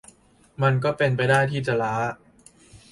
มันก็เป็นไปได้ที่จะล้า